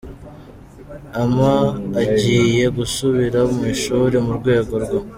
am agiye gusubira mu ishuri mu rwego rwo.